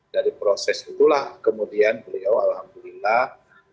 dari proses itulah kemudian beliau alhamdulillah